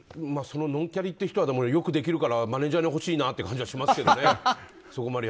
そのノンキャリっていう人はよくできるからマネジャーに欲しい気がしますけどね。